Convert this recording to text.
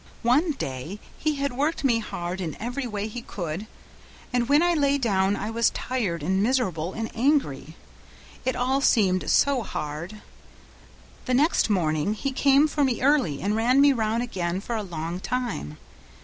One day he had worked me hard in every way he could, and when I lay down I was tired, and miserable, and angry; it all seemed so hard. The next morning he came for me early, and ran me round again for a long time.